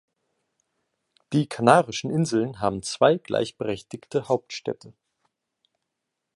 Die Kanarischen Inseln haben zwei gleichberechtigte Hauptstädte.